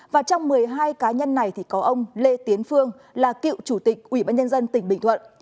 và trong một mươi hai cá nhân này có ông lê tiến phương là cựu chủ tịch ủy ban nhân dân tỉnh bình thuận